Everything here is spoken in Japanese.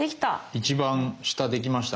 一番下できました。